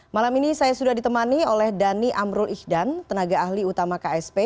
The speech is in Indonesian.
malam ini saya sudah ditemani oleh dhani amrul ihdan tenaga ahli utama ksp